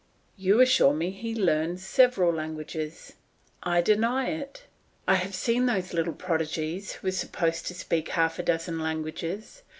You assure me he learns several languages; I deny it. I have seen those little prodigies who are supposed to speak half a dozen languages.